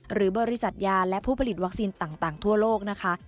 หรือบริษัทยาและผู้ผลิตวัคซีนต่างทั่วโลกนะคะ